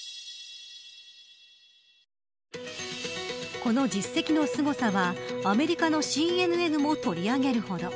この実績のすごさはアメリカのＣＮＮも取り上げるほど。